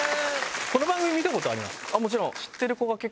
この番組見たことありますか？